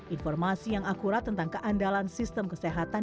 informasi yang akurat tentang keandalan sistem kesehatan